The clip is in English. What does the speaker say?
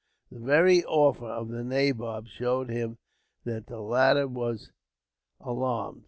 The very offer of the nabob showed him that the latter was alarmed.